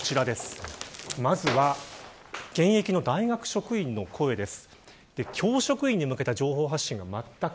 まずは、現役の大学職員の声です。